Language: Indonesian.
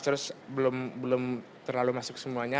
terus belum terlalu masuk semuanya